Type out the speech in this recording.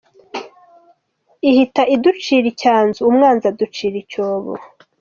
Ihita iducira icyanzu umwanzi aducira icyobo.